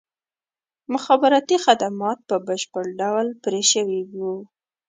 مخابراتي خدمات په بشپړ ډول پرې شوي وو.